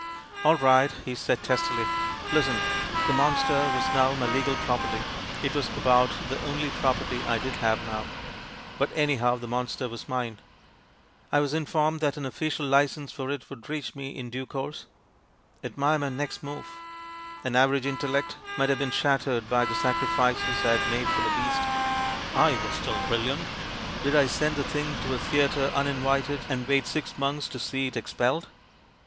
"AU right!" he said testily. "Listen. The monster was now my legal property — it was about the only property I did have now, but any how, the monster was mine. I was informed that an official licence for it would reach me in due course. Admire my next move I An average in tellect might have been shattered by the sacri fices I had made for the beast; I was still bril liant. Did I send the thing to a theatre unin vited and wait six months to see it expelled?